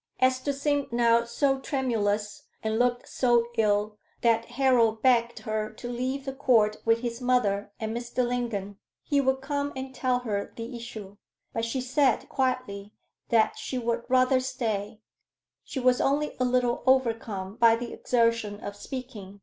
Esther seemed now so tremulous, and looked so ill, that Harold begged her to leave the Court with his mother and Mr. Lingon. He would come and tell her the issue. But she said, quietly, that she would rather stay; she was only a little overcome by the exertion of speaking.